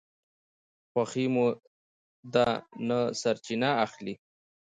خوښي مو ده نه سرچینه اخلي